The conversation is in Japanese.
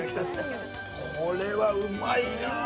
これは、うまいなあ。